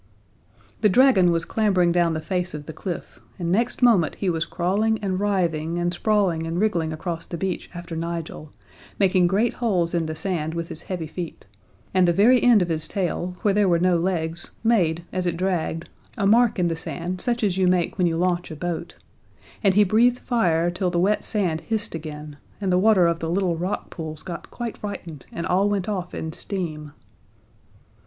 The dragon was clambering down the face of the cliff, and next moment he was crawling and writhing and sprawling and wriggling across the beach after Nigel, making great holes in the sand with his heavy feet and the very end of his tail, where there were no legs, made, as it dragged, a mark in the sand such as you make when you launch a boat; and he breathed fire till the wet sand hissed again, and the water of the little rock pools got quite frightened, and all went off in steam.